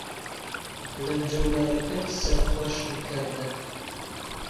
لهنجهولارهکهت سهرخوهشم کهردهن